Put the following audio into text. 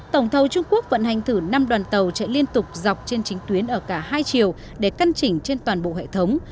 tổng thầu trung quốc vận hành thử năm đoàn tàu chạy liên tục dọc trên chính tuyến ở cả hai chiều để căn chỉnh trên toàn bộ hệ thống